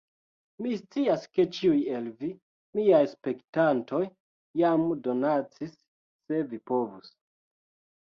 Mi scias ke ĉiuj el vi, miaj spektantoj jam donacis se vi povus